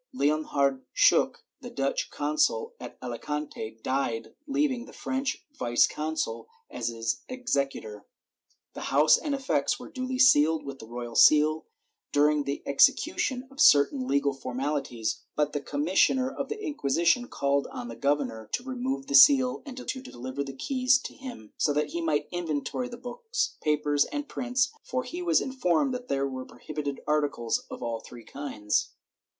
Leon hardt Schuck, the Dutch consul at Alicante, died, leaving the French vice consul as his executor. The house and effects were duly sealed with the royal seal during the execution of certain legal formaUties, but the commissioner of the Inquisition called on the governor to remove the seal and deliver the keys to him, so that he might inventory the books, papers and prints, for he was informed that there were prohibited articles of all three kinds.